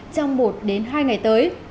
trong một đến hai ngày tới